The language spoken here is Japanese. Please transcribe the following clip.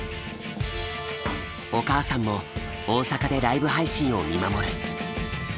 お母さんも大阪でライブ配信を見守る。